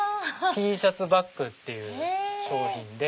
Ｔシャツバックっていう商品で。